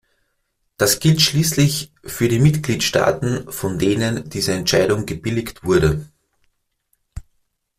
Das gilt schließlich für die Mitgliedstaaten, von denen diese Entscheidung gebilligt wurde.